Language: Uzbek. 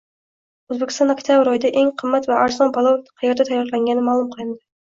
O‘zbekistonda oktabr oyida eng qimmat va arzon palov qayerda tayyorlangani ma’lum qilindi